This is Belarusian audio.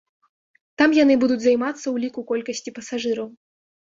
Там яны будуць займацца ўліку колькасці пасажыраў.